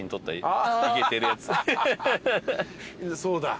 そうだ。